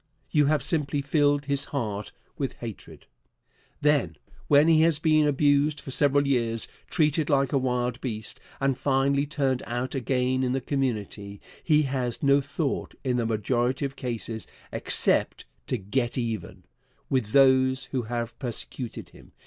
You have simply filled his heart with hatred. Then, when he has been abused for several years, treated like a wild beast, and finally turned out again in the community, he has no thought, in a majority of cases, except to "get even" with those who have persecuted him.